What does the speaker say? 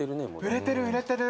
売れてる売れてる。